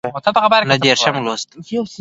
نهه دیرشم لوست